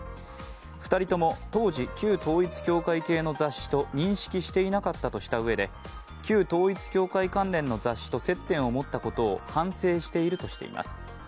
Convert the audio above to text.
２人とも当時、旧統一教会系の雑誌と認識していなかったとしたうえで旧統一教会関連の雑誌と接点を持ったことを反省しているとしています。